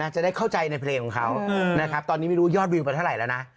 จะได้เข้าใจในเพลงของเขาตอนนี้ไม่รู้ยอดรีวมไปเท่าไหร่หรอนะ